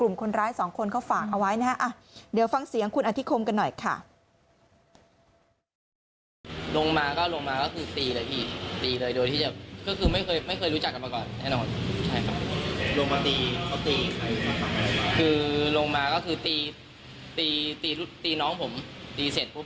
ลงมาตีเขาตีใครคือลงมาก็คือตีตีตีตีน้องผมตีเสร็จปุ๊บ